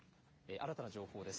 新たな情報です。